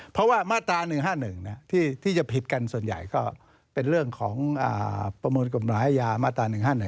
เพราะว่ามาตรา๑๕๑ที่จะผิดกันส่วนใหญ่ก็เป็นเรื่องของประมวลกฎหมายอาญามาตรา๑๕๑